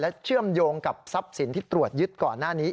เชื่อมโยงกับทรัพย์สินที่ตรวจยึดก่อนหน้านี้